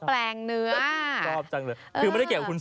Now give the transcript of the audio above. เป็นแท่เอาแบบธำนอง